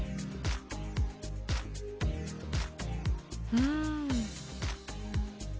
うん。